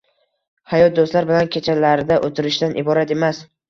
Hayot do‘stlar bilan kechalarda o‘tirishdan iborat emas